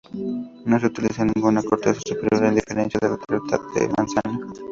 No se utiliza ningún corteza superior, a diferencia de la tarta de manzana.